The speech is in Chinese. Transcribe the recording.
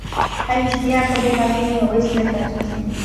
它亦是第二颗被发现拥有卫星的小行星。